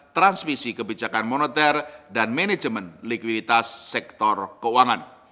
transmisi kebijakan moneter dan manajemen likuiditas sektor keuangan